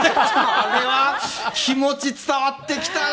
あれは気持ちが伝わってきたな。